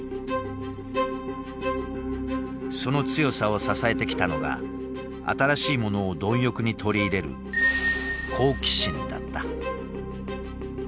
その強さを支えてきたのが新しいものを貪欲に取り入れる「好奇心」だった。